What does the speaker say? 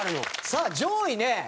さあ上位ね。